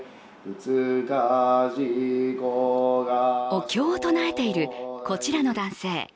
お経を唱えているこちらの男性。